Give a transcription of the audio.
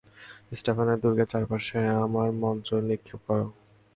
স্টেফানের দূর্গের চারপাশে আমার মন্ত্র নিক্ষেপ করো।